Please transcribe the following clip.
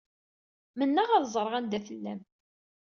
Mennaɣ ad ẓreɣ anda tella-m.